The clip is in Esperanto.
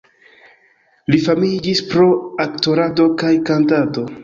Li famiĝis pro aktorado kaj kantado.